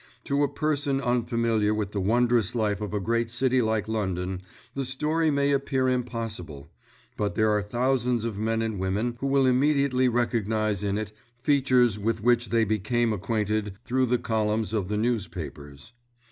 To a person unfamiliar with the wondrous life of a great city like London the story may appear impossible, but there are thousands of men and women who will immediately recognise in it features with which they became acquainted through the columns of the newspapers.